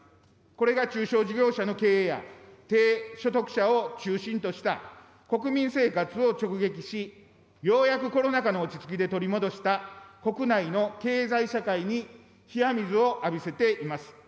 これが中小事業者の経営や、低所得者を中心とした国民生活を直撃し、ようやくコロナ禍の落ち着きで取り戻した国内の経済社会に冷や水を浴びせています。